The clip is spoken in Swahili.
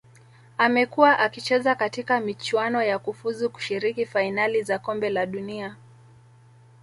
Amekua akicheza katika michuano ya kufuzu kushiriki fainali za kombe la dunia